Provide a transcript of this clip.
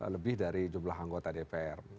lebih dari jumlah anggota dpr